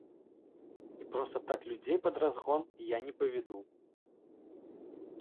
І проста так людзей пад разгон я не павяду.